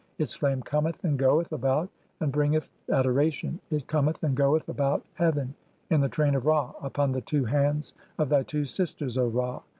[Its] flame cometh and goeth about, and "bringeth (4) adoration (?); [it] cometh and goeth about heaven "in the train of Ra upon the two hands of thy two sisters, O "Ra.